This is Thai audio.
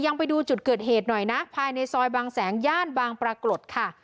ยังไปดูจุดเกิดเหตุหน่อยนะภายในซอยบางแสงย่านบางปรากฏค่ะ